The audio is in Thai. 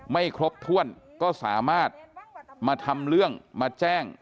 ไม่ครบถ้วนก็สามารถมาทำเรื่องมาแจ้ง